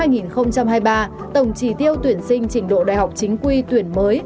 năm hai nghìn hai mươi ba tổng trí tiêu tuyển sinh trình độ đại học chính quy tuyển mới